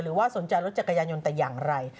หรือว่าสนใจรถจักรยานยนต์แต่อย่างไร